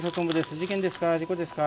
事件ですか？